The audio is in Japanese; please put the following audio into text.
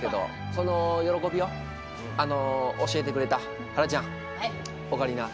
その喜びを教えてくれたはらちゃんオカリナ